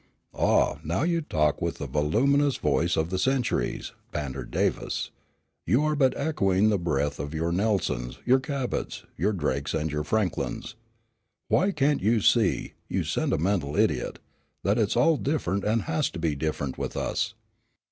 "Ah, now you talk with the voluminous voice of the centuries," bantered Davis. "You are but echoing the breath of your Nelsons, your Cabots, your Drakes and your Franklins. Why, can't you see, you sentimental idiot, that it's all different and has to be different with us?